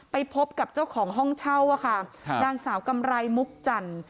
ไปพบกับเจ้าของห้องเช่าค่ะนางสาวกำไรมมุกจันทร์